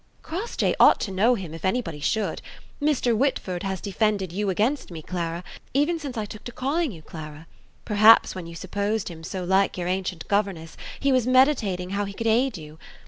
"Crossjay ought to know him, if anybody should. Mr. Whitford has defended you against me, Clara, even since I took to calling you Clara. Perhaps when you supposed him so like your ancient governess, he was meditating how he could aid you.